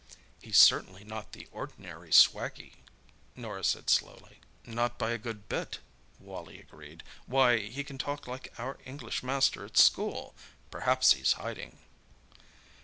"He's certainly not the ordinary swaggie," Norah said slowly. "Not by a good bit," Wally agreed. "Why, he can talk like our English master at school! Perhaps he's hiding."